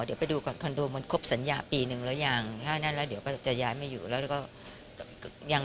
เดี๋ยวบมาลุคย้ายออกจากคอนโดเลยนะแล้วมาอยู่ที่บ้านกับแม่นะ